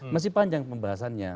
masih panjang pembahasannya